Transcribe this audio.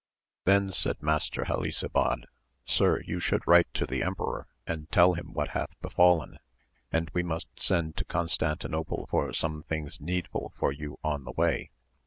{HEN said Master Helisabad, Sir, you should write to the emperor and tell him what hath befallen, and we must send to Con stantinople for some things needful for you on the way.